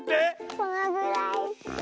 このぐらいで。